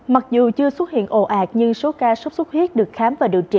mặc dù chưa xuất hiện ồ ạt nhưng số ca sốt xuất huyết được khám và điều trị